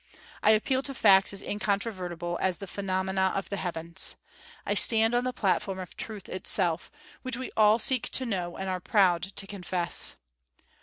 I appeal to facts as incontrovertible as the phenomena of the heavens. I stand on the platform of truth itself, which we all seek to know and are proud to confess.